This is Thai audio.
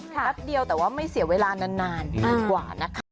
แป๊บเดียวแต่ว่าไม่เสียเวลานานดีกว่านะคะ